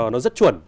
nó rất chuẩn